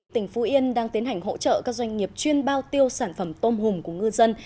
tỉnh phú yên đang tiến hành hỗ trợ các doanh nghiệp chuyên bao tiêu sản phẩm tôm hùm của ngư dân